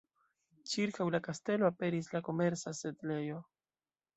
Ĉirkaŭ la kastelo aperis la komerca setlejo.